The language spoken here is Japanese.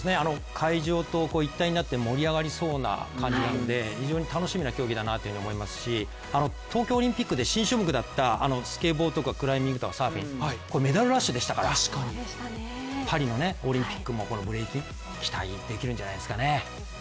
会場と一体になって盛り上がりそうな競技なんで非常に楽しみな競技だなというふうに思いますし、東京オリンピックで新種目だったスケボーとかクライミングとかサーフィンメダルラッシュでしたからパリのオリンピックもブレイキン、期待できるんじゃないですかね。